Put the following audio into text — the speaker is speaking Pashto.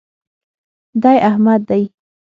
دی احمد دئ.